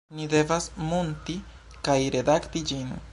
Ni devas munti kaj redakti ĝin